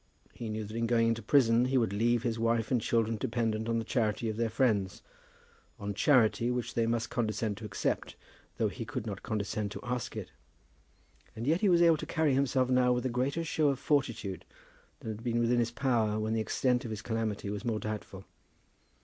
He knew that in going into prison he would leave his wife and children dependent on the charity of their friends, on charity which they must condescend to accept, though he could not condescend to ask it. And yet he was able to carry himself now with a greater show of fortitude than had been within his power when the extent of his calamity was more doubtful.